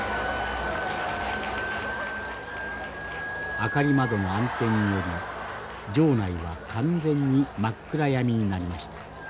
明り窓の暗転により場内は完全に真っ暗闇になりました。